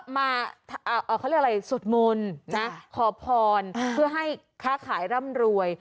มาสดมนต์ขอพรเพื่อให้ค้าขายร่ำรวย